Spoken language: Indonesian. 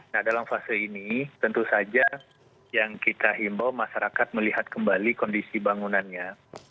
nah dalam fase ini tentu saja yang kita himbau masyarakat melihat kembali kondisi bangunannya